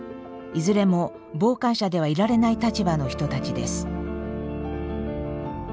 いずれも傍観者ではいられない立場の人たちです。